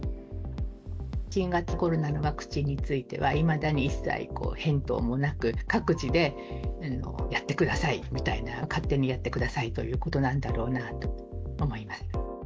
新型コロナのワクチンについては、いまだに一切返答もなく、各自でやってくださいみたいな、勝手にやってくださいということなんだろうなと思います。